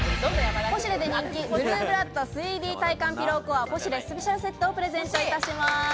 ポシュレで人気「ブルーブラッド３Ｄ体感ピローＣＯＲＥポシュレスペシャルセット」プレゼントいたします。